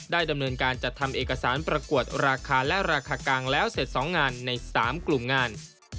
ดำเนินการจัดทำเอกสารประกวดราคาและราคากลางแล้วเสร็จ๒งานใน๓กลุ่มงาน